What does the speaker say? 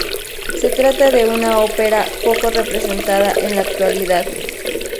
Se trata de una ópera poco representada en la actualidad.